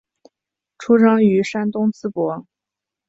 出生于山东淄博。